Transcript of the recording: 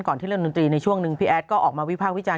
ก่อนที่เรื่องดนตรีในช่วงหนึ่งพี่แอดก็ออกมาวิภาควิจารณ์